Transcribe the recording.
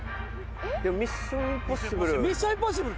『ミッション：インポッシブル』。